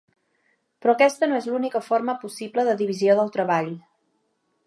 Però aquesta no és l'única forma possible de divisió del treball.